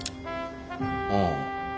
ああ